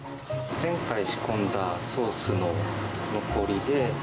前回仕込んだソースの残りで。